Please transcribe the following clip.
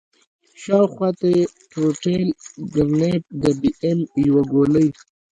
شاوخوا ته يې ټروټيل ګرنېټ د بي ام يو ګولۍ.